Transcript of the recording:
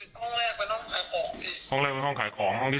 เป็นห้องแรกเป็นห้องขายของพี่